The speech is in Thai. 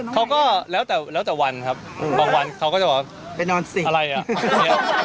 เขาก็แล้วแต่วันครับบางวันเขาก็จะบอกอะไรอ่ะ